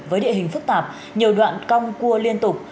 với địa hình phức tạp nhiều đoạn cong cua liên tục